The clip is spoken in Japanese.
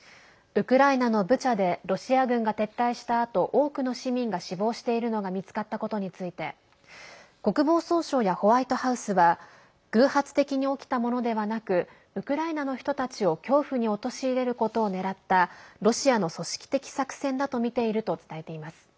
ウクライナのブチャでロシア軍が撤退したあと多くの市民が死亡しているのが見つかったことについて国防総省やホワイトハウスは偶発的に起きたものではなくウクライナの人たちを恐怖に陥れることを狙ったロシアの組織的作戦だと見ていると伝えています。